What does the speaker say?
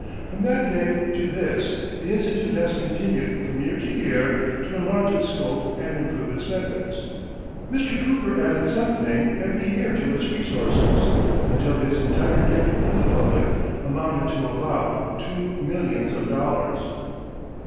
From that day to this the Institute has continued from year to year to enlarge its scope and improve its methods. Mr. Cooper added something every year to its resources, until his entire gift to the public amounted to about two millions of dollars.